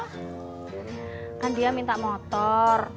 kan dia minta motor